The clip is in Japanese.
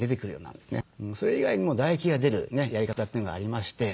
それ以外にも唾液が出るやり方というのがありまして。